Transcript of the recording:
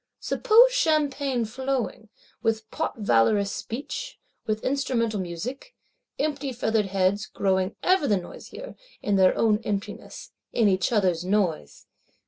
Suppose champagne flowing; with pot valorous speech, with instrumental music; empty feathered heads growing ever the noisier, in their own emptiness, in each other's noise!